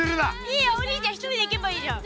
いいよお兄ちゃん１人で行けばいいじゃん。